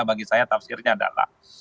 bagi saya tafsirnya adalah